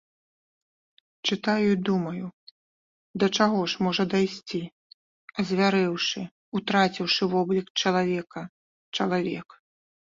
Чытаю і думаю, да чаго можа дайсці, азвярэўшы, утраціўшы воблік чалавека, чалавек.